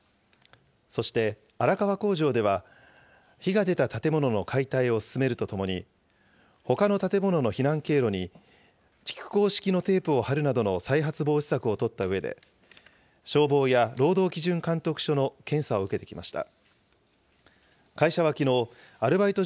そして、荒川工場では火が出た建物の解体を進めるとともに、ほかの建物の避難経路に蓄光式のテープを貼るなどの再発防止策を取ったうえで、消防や労働基準監督署の検査を受けてきました。